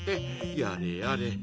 やれやれ。